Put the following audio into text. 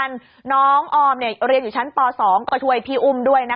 พากินต้มยำเขาจะบอกว่าอร่อยค่ะ